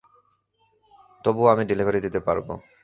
তবুও আমি ডেলিভারি দিতে পারব।